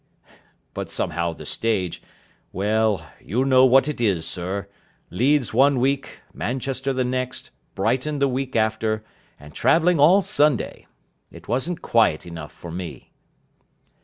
But somehow the stage well..._you_ know what it is, sir. Leeds one week, Manchester the next, Brighton the week after, and travelling all Sunday. It wasn't quiet enough for me."